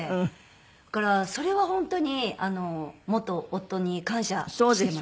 だからそれは本当に元夫に感謝しています。